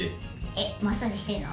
えっマッサージしてるの？